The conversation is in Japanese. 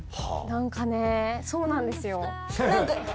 何かねそうなんですよ。